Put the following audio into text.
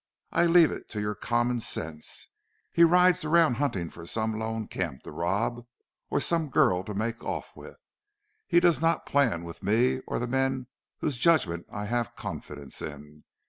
I leave it to your common sense. He rides around hunting for some lone camp to rob. Or some girl to make off with. He does not plan with me or the men whose judgment I have confidence in.